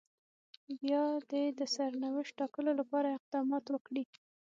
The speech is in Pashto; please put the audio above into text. بيا دې د سرنوشت ټاکلو لپاره اقدامات وکړي.